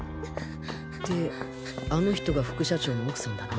であの人が副社長の奥さんだな？